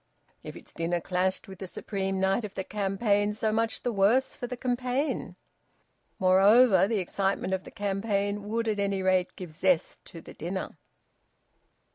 If its dinner clashed with the supreme night of the campaign, so much the worse for the campaign! Moreover, the excitement of the campaign would at any rate give zest to the dinner.